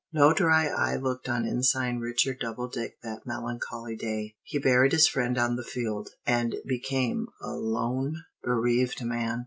No dry eye looked on Ensign Richard Doubledick that melancholy day. He buried his friend on the field, and became a lone, bereaved man.